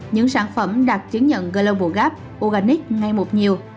những sản phẩm đạt chứng nhận global gap organic ngay một nhiều